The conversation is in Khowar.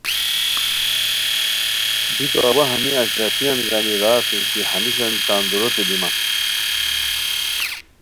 بیکو اوا ہمی اشرفیان گانی را اسور کی ہنیسین تان دُوروتے بیمان